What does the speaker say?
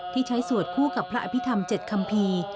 ที่ใช้สวดคู่กับพระอภิษฐรรมเจ็ดคำพี